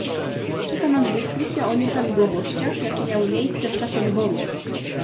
Czeka nas dyskusja o nieprawidłowościach, jakie miały miejsce w trakcie wyborów